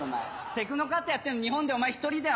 テクノカットやってんの日本でお前１人だよ！